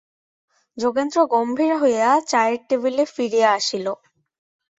যোগেন্দ্র গম্ভীর হইয়া চায়ের টেবিলে ফিরিয়া আসিল।